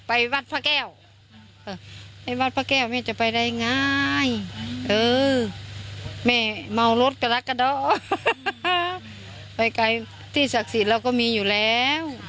ไปวัดพระแก้วไปวัดพระแก้วแม่จะไปได้ไงเออแม่เมารถกระลักกระดอกไปไกลที่ศักดิ์สิทธิ์เราก็มีอยู่แล้ว